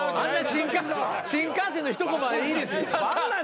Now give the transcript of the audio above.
新幹線の一こまはいいです。